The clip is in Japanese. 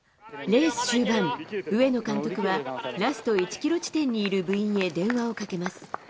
レース終盤、上野監督はラスト１キロ地点にいる部員に電話をかけます。